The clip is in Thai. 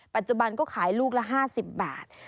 ปัจจุบันก็ขายลูกละ๕๐บาท